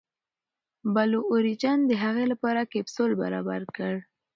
بلو اوریجن د هغې لپاره کپسول برابر کړ.